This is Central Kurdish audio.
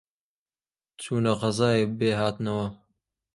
چوونە غەزای بێهاتنەوە،